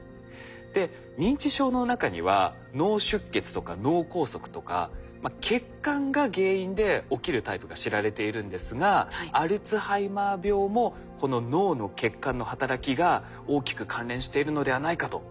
で認知症の中には脳出血とか脳梗塞とか血管が原因で起きるタイプが知られているんですがアルツハイマー病もこの脳の血管の働きが大きく関連しているのではないかと注目されているんです。